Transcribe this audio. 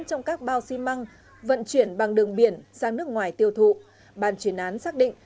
trong các bao xi măng vận chuyển bằng đường biển sang nước ngoài tiêu thụ bàn chuyển án xác định